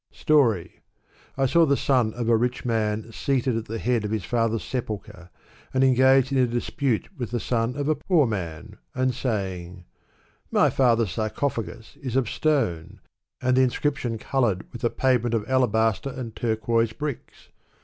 Storv. I saw the son of a rich man seated at the head of his father's sepulchre, and engaged in a dispute with the son of a poor man, and saying, My father's sar cophagus is of stone, and the inscription colored with a pavement of alabaster and turquoise bricks.